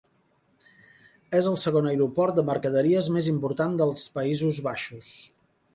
És el segon aeroport de mercaderies més important dels Països Baixos.